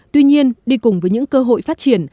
tuy nhiên đi cùng với những cơ hội phát triển